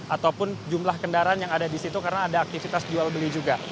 ataupun jumlah kendaraan yang ada di situ karena ada aktivitas jual beli juga